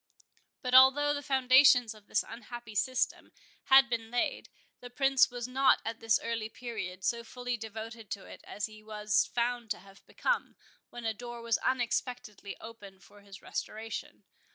But although the foundations of this unhappy system had been laid, the Prince was not at this early period so fully devoted to it as he was found to have become, when a door was unexpectedly opened for his restoration.